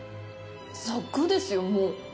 サクッですよ、もう！